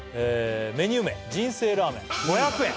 メニュー名人生ラーメン５００円５００円！？